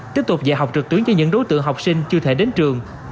tiếp tục dạy học trực tuyến cho những đối tượng học sinh chưa thể đến trường